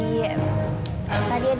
tadi ada orang yang bilang